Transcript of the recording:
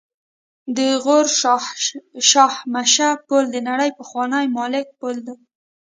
د غور شاهمشه پل د نړۍ پخوانی معلق پل دی